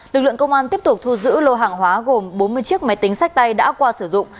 lực lượng công an tiếp tục thu giữ lô hàng hóa gồm bốn mươi chiếc máy tính sách tay đã qua sử dụng